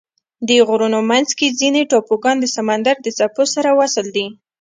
د غرونو منځ کې ځینې ټاپوګان د سمندر د څپو سره وصل دي.